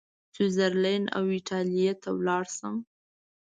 سویس زرلینډ او ایټالیې ته ولاړ شم.